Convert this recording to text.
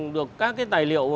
được các cái tài liệu